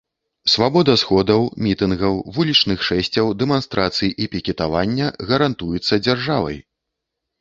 Свабода сходаў, мітынгаў, вулічных шэсцяў, дэманстрацый і пікетавання гарантуецца дзяржавай.